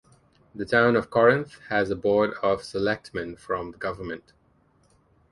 The Town of Corinth has a Board of Selectmen form of Government.